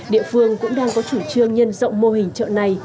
địa phương cũng đang có chủ trương nhân rộng mô hình chợ này